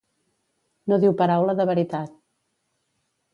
No diu paraula de veritat.